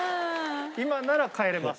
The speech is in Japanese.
今なら変えれます。